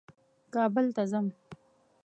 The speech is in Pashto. کابل ته ځم.